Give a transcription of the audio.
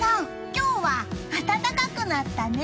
今日は暖かくなったね！